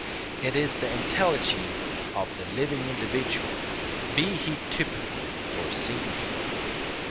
It is the entelechy of the living individual, be he typical or singular.